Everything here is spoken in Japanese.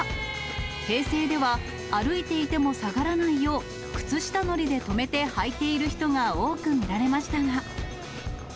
平成では歩いていても下がらないよう、靴下のりで留めてはいている人が多く見られましたが。